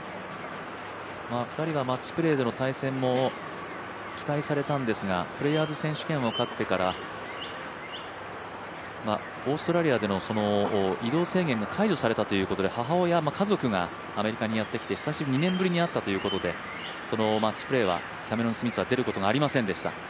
２人はマッチプレーでの対戦は期待されたんですが、プレーヤーズ選手権を勝ってからオーストラリアでの移動制限が解除されたということで母親、家族がアメリカにやってきて２年ぶりに会ったということでマッチプレーはキャメロン・スミスは出ることがありませんでした。